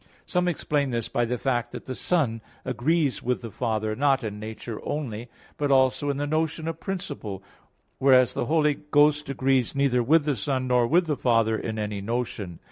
Some explain this by the fact that the Son agrees with the Father, not in nature only, but also in the notion of principle: whereas the Holy Ghost agrees neither with the Son, nor with the Father in any notion.